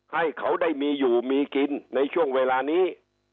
ให้เขาได้มีอยู่มีกินในช่วงเวลานี้